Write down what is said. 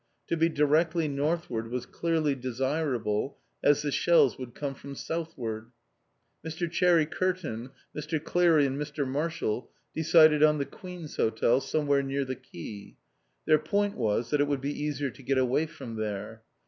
To be directly northward was clearly desirable, as the shells would come from southward. Mr. Cherry Kearton, Mr. Cleary, and Mr. Marshall, decided on the Queen's Hotel, somewhere near the quay. Their point was that it would be easier to get away from there.